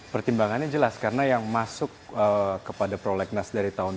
pertimbangannya jelas karena yang masuk kepada prolegnas dari tahun dua ribu